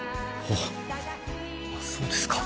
あそうですか？